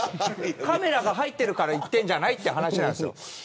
カメラが入ってるから行ってんじゃないという話ですよ。